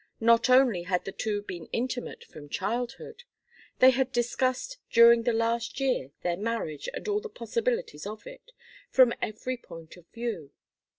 Not only had the two been intimate from childhood they had discussed during the last year their marriage, and all the possibilities of it, from every point of view.